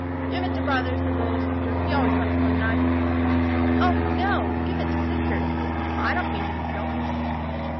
"Give it to Brother," said the little sister. "He always wants more than I." "Oh, no. Give it to Sister," said he. "I don't mean to be selfish."